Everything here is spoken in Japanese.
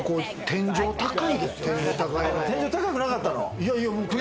天井高くなかったの。